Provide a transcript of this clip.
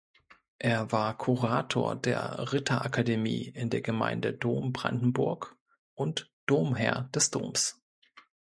Er war Kurator der Ritterakademie in der Gemeinde Dom Brandenburg und Domherr des Doms.